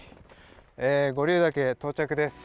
え五竜岳到着です。